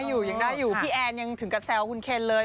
อยู่ยังได้อยู่พี่แอนยังถึงกับแซวคุณเคนเลย